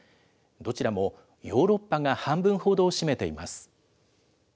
どちらもヨーロッパが半分ほどを占めています。